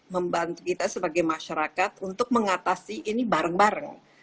membantu kita sebagai masyarakat untuk mengatasi ini bareng bareng